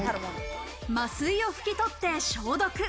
麻酔をふき取って消毒。